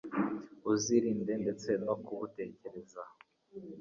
uzirinde ndetse no kubutekereza